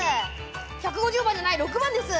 １５０番じゃない６番です！